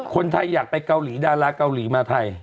คนไทยอยากไปเกาหลีดาราเกาหลีมาไทย